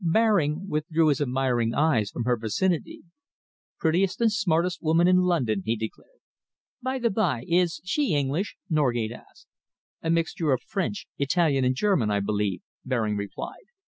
Baring withdrew his admiring eyes from her vicinity. "Prettiest and smartest woman in London," he declared. "By the by, is she English?" Norgate asked. "A mixture of French, Italian, and German, I believe," Baring replied.